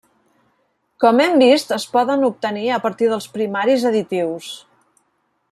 Com hem vist es poden obtenir a partir dels primaris additius.